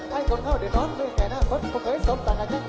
ไข้คนเขาเดี๋ยวนอนมือแขนาคตเขาเคยสมตำแหละกัน